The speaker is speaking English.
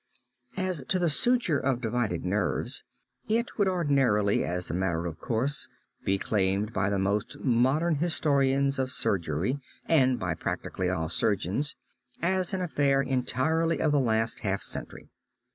As to the suture of divided nerves, it would ordinarily and as a matter of course be claimed by most modern historians of surgery and by practically all surgeons, as an affair entirely of the last half century.